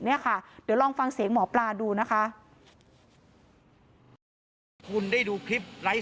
เดี๋ยวลองฟังเสียงหมอปลาดูนะคะ